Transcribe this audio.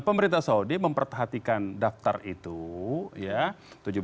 pemerintah saudi memperhatikan daftar itu ya